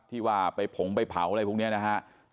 ที่ว่าไปผงไปเผาอะไรพวกนี้นะฮะ